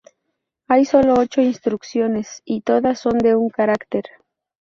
Hay solo ocho instrucciones, y todas son de un carácter.